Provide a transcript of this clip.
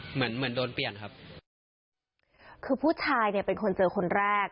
เหมือนเหมือนโดนเปลี่ยนครับคือผู้ชายเนี่ยเป็นคนเจอคนแรก